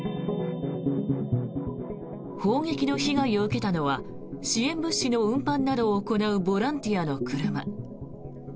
砲撃の被害を受けたのは支援物資の運搬などを行うボランティアの車。